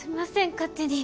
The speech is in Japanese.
勝手に